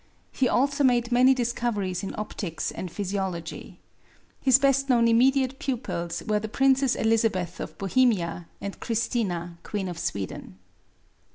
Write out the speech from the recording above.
He also made many discoveries in optics and physiology. His best known immediate pupils were the Princess Elizabeth of Bohemia, and Christina, Queen of Sweden.